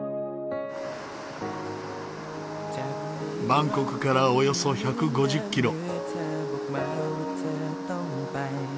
バンコクからおよそ１５０キロ。